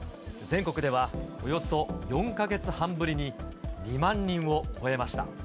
全国ではおよそ４か月半ぶりに２万人を超えました。